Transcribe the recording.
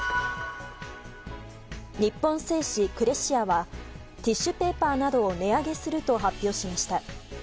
日本製紙クレシアはティッシュペーパーなどを値上げすると発表しました。